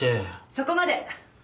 そこまで！